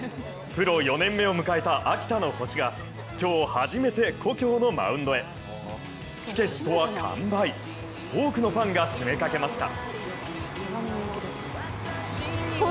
プロ４年目を迎えた秋田の星が、今日初めて公共のマウンドへチケットは完売、多くのファンが詰めかけました。